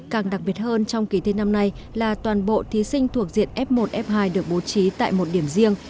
càng đặc biệt hơn trong kỳ thi năm nay là toàn bộ thí sinh thuộc diện f một f hai được bố trí tại một điểm riêng